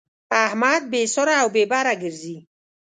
احمد بې سره او بې بره ګرځي.